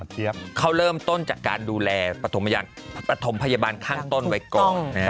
เขาเริ่มต้นจากการดูแลปฐมพยาบาลข้างต้นไว้ก่อน